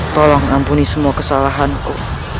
tolong ampuni semua kesalahanku